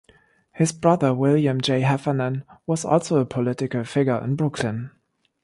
His brother William J. Heffernan was also a political figure in Brooklyn.